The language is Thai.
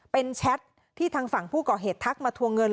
เป็นแชทที่ทางฝั่งผู้ก่อเหตุทักมาทวงเงิน